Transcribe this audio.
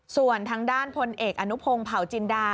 ส่วนทางด้านพลเอกอนุพงศ์เผาจินดา